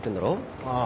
ああ。